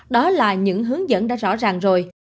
đó là những hướng dẫn đã rõ ràng rồi